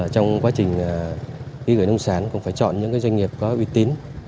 trong quá trình đi gửi nông sản cũng phải chọn những doanh nghiệp có uy tín